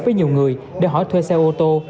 với nhiều người để hỏi thuê xe ô tô